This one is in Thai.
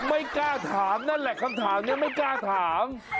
ไม่กล้าถามนั่นแหละคำถามนี้ไม่กล้าถาม